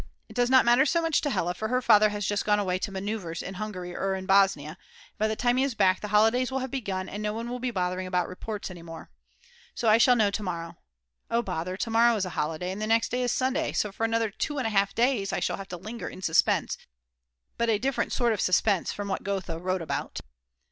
It does not matter so much to Hella, for her father has just gone away to manoeuvres in Hungary or in Bosnia, and by the time he is back the holidays will have begun and no one will be bothering about reports any more. So I shall know to morrow. Oh bother, to morrow is a holiday and next day is Sunday. So for another 2 1/2 days I shall have "to linger in suspense," but a different sort of suspense from what Goethe wrote about.